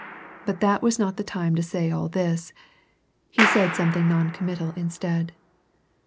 But that was not the time to say all this he said something non committal instead.